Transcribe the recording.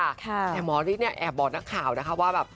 แต่หมอฤทธิเนี่ยแอบบอกนักข่าวนะคะว่าแบบ